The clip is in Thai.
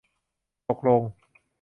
ตกลง